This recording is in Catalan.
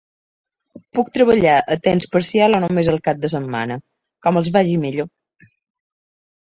Puc treballar a temps parcial o només el cap de setmana, com els vagi millor.